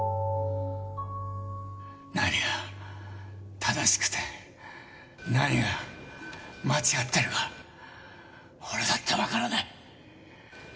何が正しくて何が間違ってるか俺だって分からない。